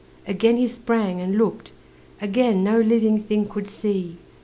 Again he sprang and looked: again No living thing could see.